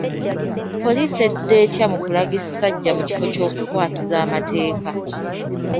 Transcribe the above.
Poliisi edda etya mu kulaga essajja mu kifo ky’okukwasisa amateeka!